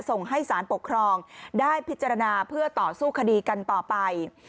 ส่งให้สารปกครองได้พิจารณาเพื่อต่อสู้คดีกันต่อไป